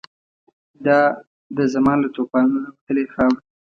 دا د زمان له توپانونو راوتلې خاوره